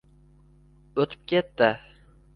O’tib ketdi